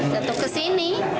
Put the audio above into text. jatuh ke sini